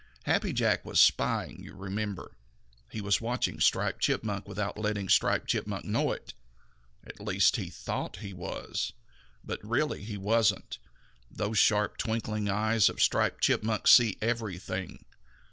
Happy Jack was spying, you remember. He was watching Striped Chipmunk without letting Striped Chipmunk know it. At least he thought he was. But really he wasn't. Those sharp twinkling eyes of Striped Chipmunk see everything.